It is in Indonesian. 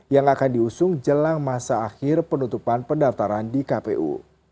yang akan diusung jelang masa akhir penutupan pendaftaran di kpu